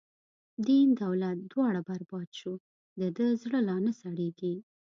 دین دولت دواړه برباد شو، د ده زړه لانه سړیږی